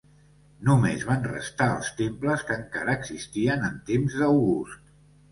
Només van restar els temples que encara existien en temps d'August.